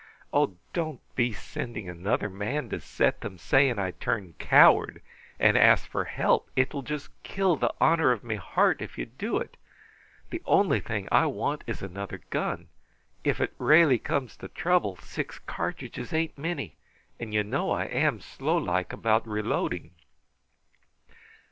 Oh, don't be sending another man to set them saying I turned coward and asked for help. It will just kill the honor of me heart if you do it. The only thing I want is another gun. If it railly comes to trouble, six cartridges ain't many, and you know I am slow like about reloading."